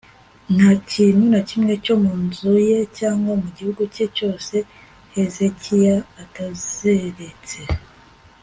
nta kintu na kimwe cyo mu nzu ye cyangwa mu gihugu cye cyose, hezekiya atazeretse